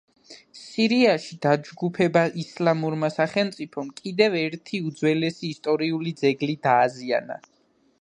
სირიაში დაჯგუფება ისლამურმა სახელმწიფომ კიდევ ერთი უძველესი ისტორიული ძეგლი დააზიანა.